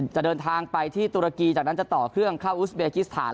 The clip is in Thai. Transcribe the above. จะเดินทางไปที่ตุรกีจากนั้นจะต่อเครื่องเข้าอุสเบกิสถาน